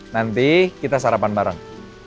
nanti kita sarapan bareng